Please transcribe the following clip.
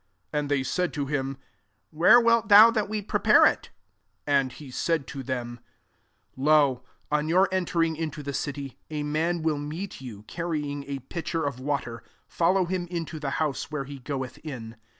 '' 9 And they said to him, "Where wilt thou that we prepare «V?" 10 And he said to them, Lo, on your en tering into the city, a man will meet you, carrying a pitcher of water; follow him into the house Where he goeth in.